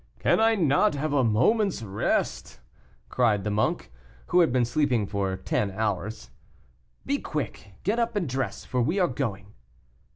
"Can I not have a moment's rest?" cried the monk, who had been sleeping for ten hours. "Be quick; get up and dress, for we are going."